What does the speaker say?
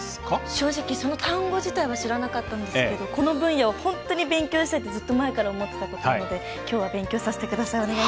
正直その単語自体は知らなかったんですけどこの分野は本当に勉強したいってずっと前から思ってたことなのできょうは勉強させてください。